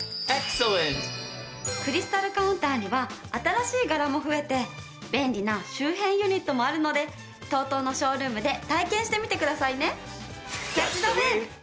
クリスタルカウンターには新しい柄も増えて便利な周辺ユニットもあるのでＴＯＴＯのショールームで体験してみてくださいね。